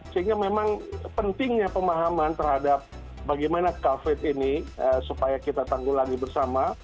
sehingga memang pentingnya pemahaman terhadap bagaimana covid ini supaya kita tanggulangi bersama